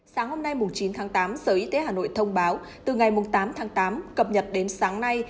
sáng hôm nay chín tháng tám sở y tế hà nội thông báo từ ngày tám tháng tám cập nhật đến sáng nay